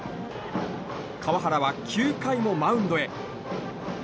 川原は９回もマウンドへ。